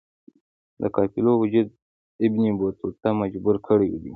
د قافلو وجود ابن بطوطه مجبور کړی وی.